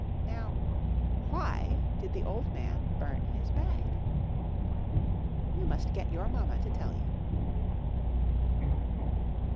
Now why did the old man burn his bag? You must get your Mamma to tell you.